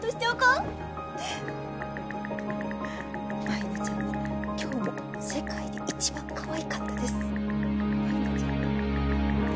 「舞菜ちゃんは今日も世界で一番かわいかったです」